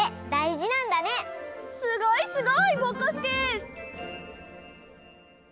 すごいすごい！ぼこすけ。